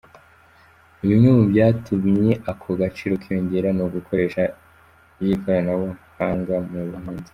Bimwe mu byatumye ako gaciro kiyongera ni ikoreshwa ry’ikoranabuhanga mu buhinzi.